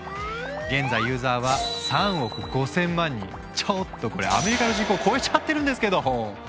現在ユーザーはちょっとこれアメリカの人口超えちゃってるんですけど！